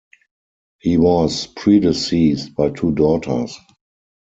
He was predeceased by two daughters.